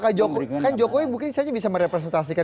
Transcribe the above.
apakah jokowi kan jokowi mungkin saja bisa merepresentasikan